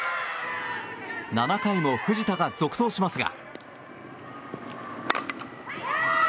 ７回も藤田が続投しますが。